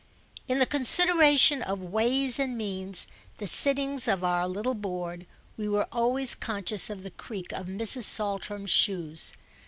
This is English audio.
In the consideration of ways and means, the sittings of our little board, we were always conscious of the creak of Mrs. Saltram's shoes.